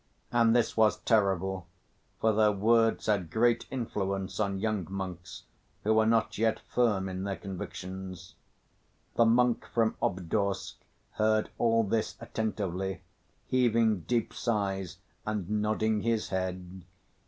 And this was terrible, for their words had great influence on young monks who were not yet firm in their convictions. The monk from Obdorsk heard all this attentively, heaving deep sighs and nodding his head.